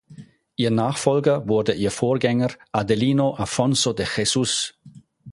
Ihr Nachfolger wurde ihr Vorgänger Adelino Afonso de Jesus.